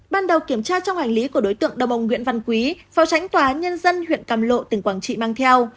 ban đầu kiểm tra trong hành lý của đối tượng đồng ông nguyễn văn quý phó tránh tòa nhân dân huyện càm lộ tỉnh quảng trị mang theo